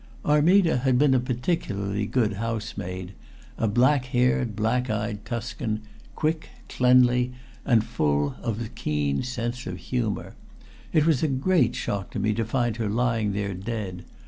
Armida had been a particularly good housemaid, a black haired, black eyed Tuscan, quick, cleanly, and full of a keen sense of humor. It was a great shock to me to find her lying there dead.